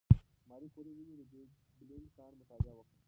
ماري کوري ولې د پیچبلېند کان مطالعه وکړه؟